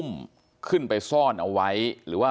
แม่น้องชมพู่